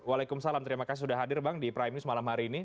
waalaikumsalam terima kasih sudah hadir bang di prime news malam hari ini